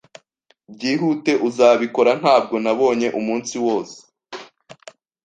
Byihute, uzabikora? Ntabwo nabonye umunsi wose.